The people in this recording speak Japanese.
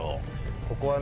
ここはね